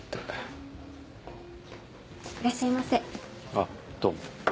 あっどうも。